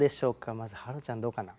まずはろちゃんどうかな？